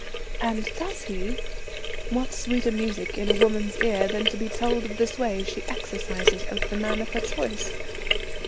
"And does he?" What sweeter music in a woman's ear than to be told of the sway she exercises over the man of her choice?